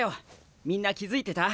みんな気付いてた？